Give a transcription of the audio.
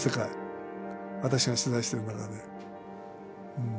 私が取材してる中で。